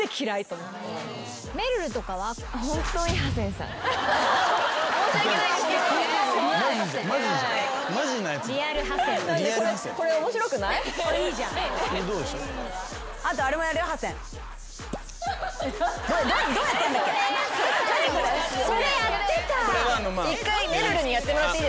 １回めるるにやってもらっていいですか？